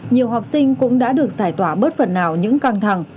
nhiều học sinh cũng đã được giải tỏa bớt phần nào những căng thẳng